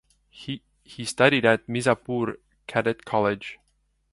He studied at Mirzapur Cadet College.